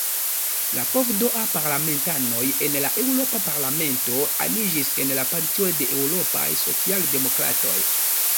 La PvdA-parlamentanoj en la Eŭropa Parlamento aniĝis en la Partio de Eŭropaj Socialdemokratoj.